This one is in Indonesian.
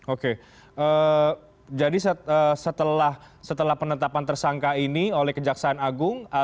oke jadi setelah penetapan tersangka ini oleh kejaksaan agung